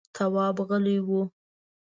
تواب غلی و…